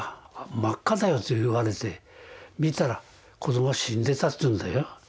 真っ赤だよと言われて見たら子どもは死んでたっていうんだよ。